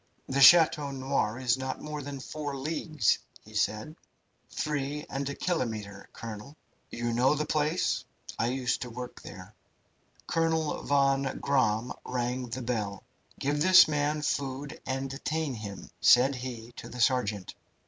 "The Chateau Noir is not more than four leagues," he said. "Three and a kilometre, colonel." "You know the place?" "I used to work there." Colonel von Gramm rang the bell. "Give this man food and detain him," said he to the sergeant.